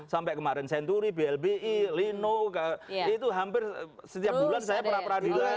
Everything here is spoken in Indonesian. sampai kemarin senturi blbi lino itu hampir setiap bulan saya peradilan